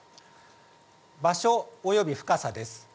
場所及び深さです。